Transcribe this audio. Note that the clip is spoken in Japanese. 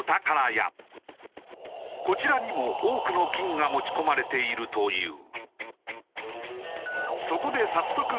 こちらにも多くの金が持ち込まれているという。